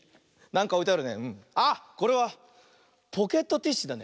これはポケットティッシュだね。